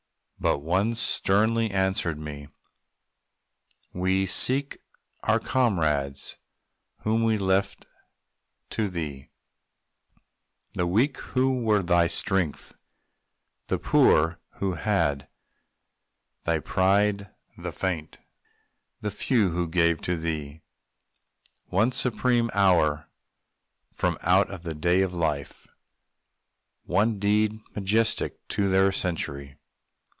But one sternly answered me, "We seek our comrades whom we left to thee: The weak, who were thy strength; the poor, who had Thy pride; the faint and few who gave to thee One supreme hour from out the day of life, One deed majestic to their century.